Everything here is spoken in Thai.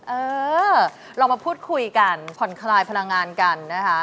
เออลองมาพูดคุยกันผ่อนคลายพลังงานกันนะคะ